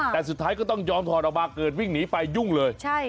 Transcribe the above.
แต่สุดท้ายก็ต้องยอมถอดออกมาเกิดวิ่งหนีไปยุ่งเลย